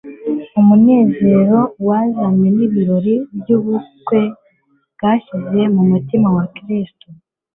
Umunezero wazanywe n'ibirori by'ubukwe washyize mu mutima wa Kristo